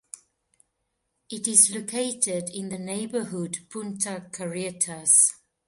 It is located in the neighborhood Punta Carretas.